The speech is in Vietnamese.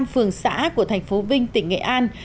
hai mươi năm phường xã của thành phố vinh tỉnh nghệ an